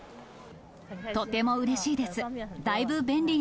とてもうれしいです。